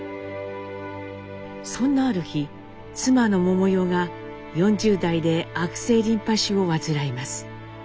そんなある日妻の百代が４０代で悪性リンパ腫を患います。